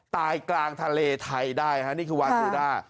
ตายกลางทะเลไทยได้ฮะนี่คือวานซูด้า